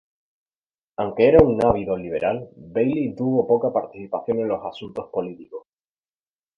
Aunque era un ávido liberal, Bailey tuvo poca participación en los asuntos políticos.